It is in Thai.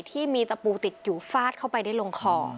ที่มีตะปูติดอยู่ฟาดเข้าไปได้ลงคอ